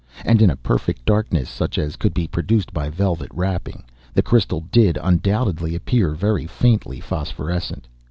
And in a perfect darkness, such as could be produced by velvet wrapping, the crystal did undoubtedly appear very faintly phosphorescent.